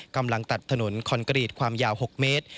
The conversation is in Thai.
กำลังตัดถนนคอนกรีตความยาว๖เมตร